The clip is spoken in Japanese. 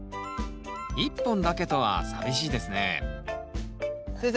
１本だけとは寂しいですね先生